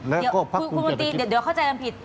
แล้วก็พักกูจะได้จินคุณคุณตีนเดี๋ยวเข้าใจเรื่องผิด